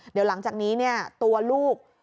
เดี๋ยวหลังจากนี้เนี่ยตัวลูก